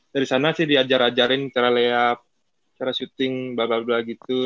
dari sana sih diajar ajarin cara layup cara syuting blablabla gitu